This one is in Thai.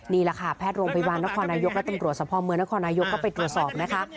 นี่แหละค่ะแพทย์โรงพยาบาลนครนายกและตำรวจสภาพเมืองนครนายกก็ไปตรวจสอบนะคะ